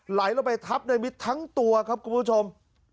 ไหลลงไปทับในมิตรทั้งตัวครับคุณผู้ชม